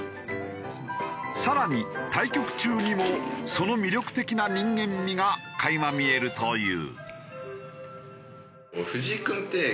更に対局中にもその魅力的な人間味が垣間見えるという。